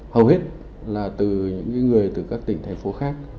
hầu hết là từ những người từ các tỉnh thành phố khác